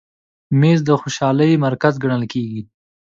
مېز د خوشحالۍ مرکز ګڼل کېږي.